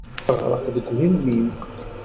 Teɣreq deg ugelmim.